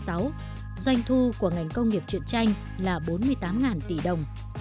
với con số hai trăm tám mươi một năm mươi một tỷ yên doanh thu của ngành công nghiệp truyện tranh là bốn mươi tám tỷ đồng